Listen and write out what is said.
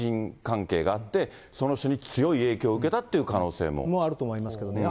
いわゆる何か対人関係があって、その人に強い影響を受けたっもあると思いますけどね。